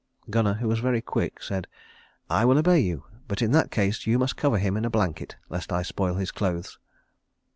Gunnar, who was very quick, said, "I will obey you; but in that case you must cover him in a blanket, lest I spoil his clothes."